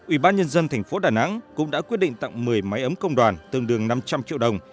ủy ban nhân dân thành phố đà nẵng cũng đã quyết định tặng một mươi máy ấm công đoàn tương đương năm trăm linh triệu đồng